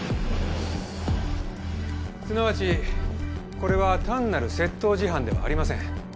すなわちこれは単なる窃盗事犯ではありません。